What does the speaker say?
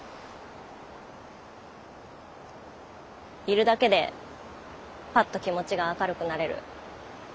いるだけでパッと気持ちが明るくなれる最高の存在で。